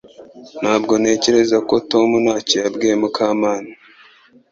Ntabwo ntekereza ko Tom ntacyo yabwiye Mukamana